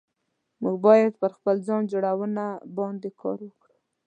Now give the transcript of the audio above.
موږ بايد پر خپل ځان جوړونه باندي کار وکړو